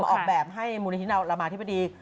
ออกแบบให้มูลนิธิรามาธิบดี